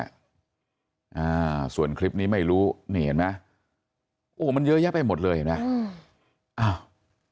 อ่าส่วนคลิปนี้ไม่รู้นี่เห็นไหมโอ้โหมันเยอะแยะไปหมดเลยเห็นไหมอืมอ้าว